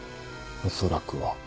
恐らくは。